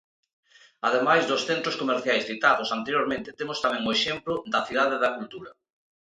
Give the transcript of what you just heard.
Ademais dos centros comerciais citados anteriormente temos tamén o exemplo da Cidade da Cultura.